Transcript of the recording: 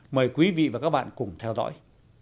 mời quý vị và các bạn cùng theo dõi